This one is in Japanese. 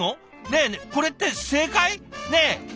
ねえこれって正解？ねえ！